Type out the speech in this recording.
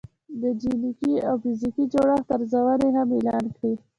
د جنګي او فزیکي جوړښت ارزونې هم اعلان کړې